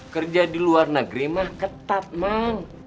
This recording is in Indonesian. kerja di luar negeri mah ketat mah